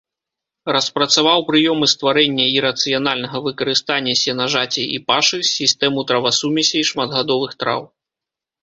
Распрацаваў прыёмы стварэння і рацыянальнага выкарыстання сенажацей і пашы, сістэму травасумесей шматгадовых траў.